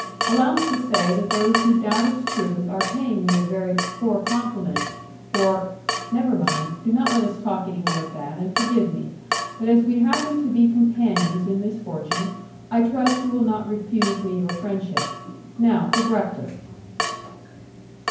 Allow me to say that those who doubt its truth are paying me a very poor compliment, for " "Never mind; do not let us talk any more of that, and forgive me. But as we happen to be companions in misfortune, I trust you will not refuse me your friendship. Now for breakfast."